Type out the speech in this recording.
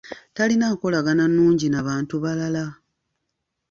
Talina nkolagana nnungi n'abantu balala.